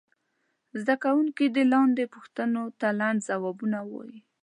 زده کوونکي دې لاندې پوښتنو ته لنډ ځوابونه ووایي.